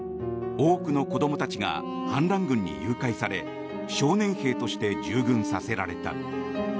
多くの子供たちが反乱軍に誘拐され少年兵として従軍させられた。